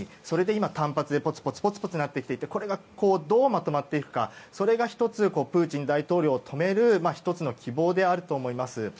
それで単発でぽつぽつなっていてこれがどうまとまっていくかそれが１つプーチン大統領を止める１つの希望であると思います。